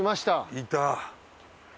いた。